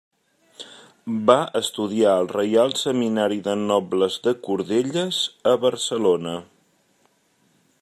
Va estudiar al Reial Seminari de Nobles de Cordelles a Barcelona.